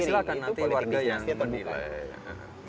silahkan nanti warga yang menilai